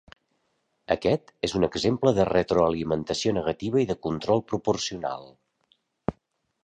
Aquest és un exemple de retroalimentació negativa i de control proporcional.